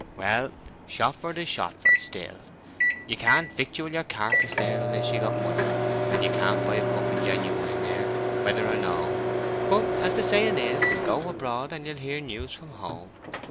"Well, Shottsford is Shottsford still—you can't victual your carcass there unless you've got money; and you can't buy a cup of genuine there, whether or no....But as the saying is, 'Go abroad and you'll hear news of home.